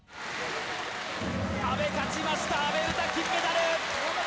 阿部、勝ちました、阿部詩、金メダル。